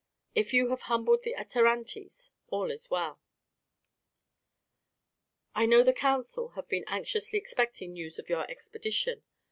If you have humbled the Atarantes, all is well. "I know the council have been anxiously expecting news of your expedition.